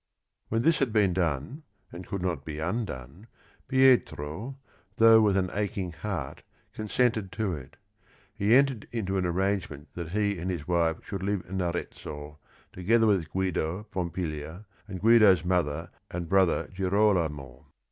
When this had been done and could not be undone Pietro, though with an aching heart, consented to it. He entered into an arrangement that he and his wife should live in Arezzo together with Guido, Pompilia, and Guido's mother and brother Girolamo.